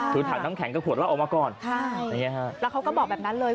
ถือถัดน้ำแข็งกับกรติกน้ำแข็งเอามาก่อนแล้วเขาก็บอกแบบนั้นเลย